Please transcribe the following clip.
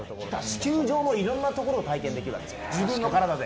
地球上のいろんなところを体験できる訳です、自分の体で。